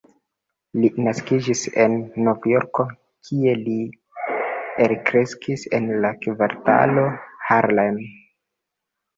Li naskiĝis en Novjorko, kie li elkreskis en la kvartalo Harlem.